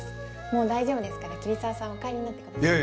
もう大丈夫ですから桐沢さんはお帰りになってください。